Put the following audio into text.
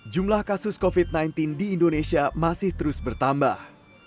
jumlah kasus covid sembilan belas di indonesia masih terus bertambah